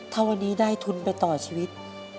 ถ้าวันนี้ได้ทุนไปต่อชีวิต